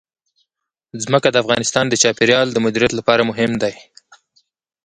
ځمکه د افغانستان د چاپیریال د مدیریت لپاره مهم دي.